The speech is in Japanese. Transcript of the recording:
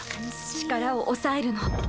力を抑えるの」